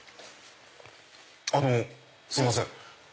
あのすいません。